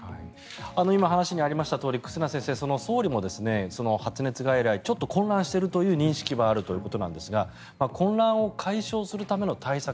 今、話にありましたとおり忽那先生、総理も発熱外来ちょっと混乱しているという認識はあるということですが混乱を解消するための対策